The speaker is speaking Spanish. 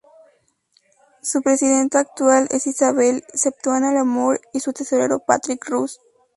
Su presidenta actual es Isabelle Spetanno-Lamour y su tesorero Patrick Roos.